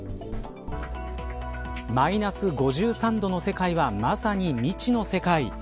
マイナス５３度の世界はまさに未知の世界。